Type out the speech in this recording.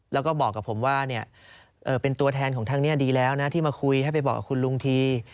แล้วก็บอกกับผมว่าเป็นตัวแทนของทางนี้ดีแล้วนะที่มาคุยให้ไปบอกกับคุณลุงที